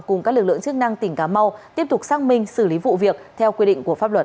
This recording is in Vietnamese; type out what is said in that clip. cùng các lực lượng chức năng tỉnh cà mau tiếp tục xác minh xử lý vụ việc theo quy định của pháp luật